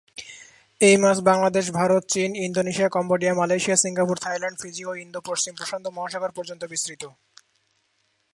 এই মাছ বাংলাদেশ, ভারত, চীন, Indonesia, Cambodia, Malaysia, Singapore, Thailand, Fiji এবং ইন্দো-পশ্চিম প্রশান্ত মহাসাগর পর্যন্ত বিস্তৃত।